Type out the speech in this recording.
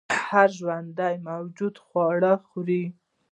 هر ژوندی موجود خواړه خوري